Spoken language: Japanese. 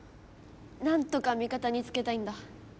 なんとかみ方につけたいんだ。